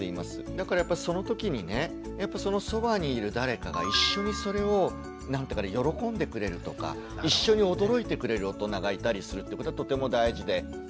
だからやっぱりそのときにねやっぱそのそばにいる誰かが一緒にそれを喜んでくれるとか一緒に驚いてくれる大人がいたりするってことはとても大事で。